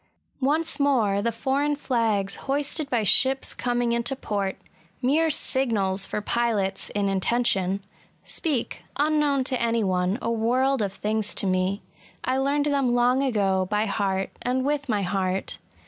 Once more, the foreign flags hoisted by ships coming into SOMB PERILS AND PAINS OF INVALIDISM. 179 port, — ^mere signals for pilots in intention,— speak, unknown to any one, a world of things to me, I learned them long ago, by heart, and with my heart.